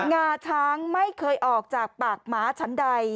งาช้างไม่เคยออกจากปากหมาชั้นใด